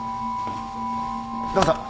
どうぞ。